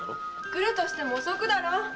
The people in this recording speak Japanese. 来るとしても遅くだろ！